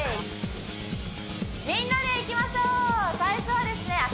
みんなでいきましょう最初はですね